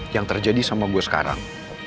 yang terjadi sama gue sekarang